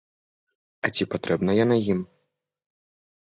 А ці патрэбна яна ім?